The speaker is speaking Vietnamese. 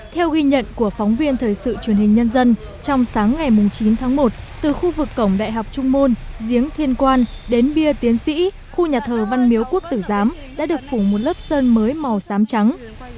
theo ghi nhận của phóng viên thời sự truyền hình nhân dân trong sáng ngày chín tháng một từ khu vực cổng đại học trung môn giếng thiên quan đến bia tiến sĩ khu nhà thờ văn miếu quốc tử giám đã được phủng một lớp sơn mới màu xám trắng